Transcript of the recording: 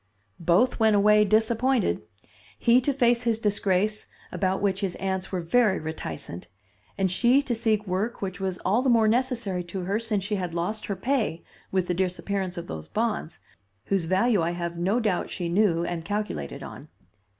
"Both went away disappointed; he to face his disgrace about which his aunts were very reticent, and she to seek work which was all the more necessary to her, since she had lost her pay, with the disappearance of these bonds, whose value I have no doubt she knew and calculated on."